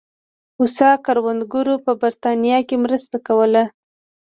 هوسا کروندګرو په برېټانیا کې مرسته کوله.